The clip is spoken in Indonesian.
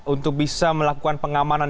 untuk bisa melakukan pengamanan